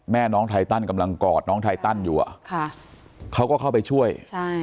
น้องไทตันกำลังกอดน้องไทตันอยู่อ่ะค่ะเขาก็เข้าไปช่วยใช่